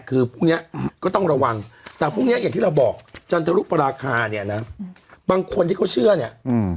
คือพรุ่งเนี้ยก็ต้องระวังแต่พรุ่งเนี้ยอย่างที่เราบอกจันทรุปราคาเนี่ยนะบางคนที่เขาเชื่อเนี่ยอืม